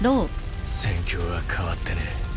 戦況は変わってねえ。